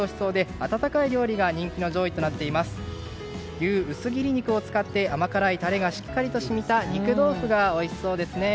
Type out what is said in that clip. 牛薄切り肉を使って甘辛いタレが染み込んだ肉豆腐がおいしそうですね。